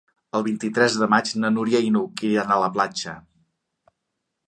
El vint-i-tres de maig na Núria i n'Hug iran a la platja.